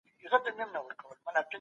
که وږي وي ډوډۍ ورسره شریکه کړئ.